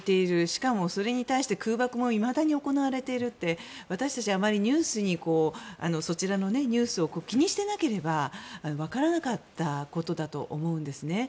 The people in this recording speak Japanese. しかもそれに対して、空爆もいまだに行われているって私たちは、そちらのニュースを気にしてなければ分からなかったことだと思うんですね。